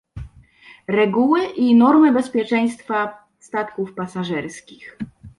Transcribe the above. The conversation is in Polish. Reguły i normy bezpieczeństwa statków pasażerskich